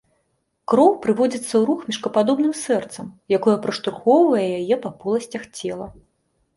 Кроў прыводзіцца ў рух мешкападобным сэрцам, якое праштурхоўвае яе па поласцях цела.